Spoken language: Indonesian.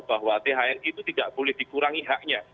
bahwa thr itu tidak boleh dikurangi haknya